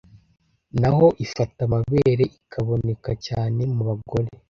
naho ifata amabere ikaboneka cyane mu bagore